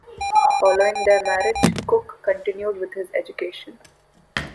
Following their marriage, Cook continued with his education.